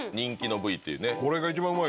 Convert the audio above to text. これが一番うまい。